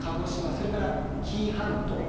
それから紀伊半島